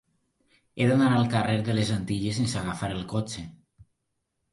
He d'anar al carrer de les Antilles sense agafar el cotxe.